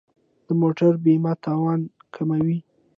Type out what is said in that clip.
د موټر بیمه تاوان کموي.